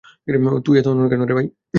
তুই এত অনড় কেন?